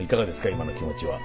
今の気持ちは。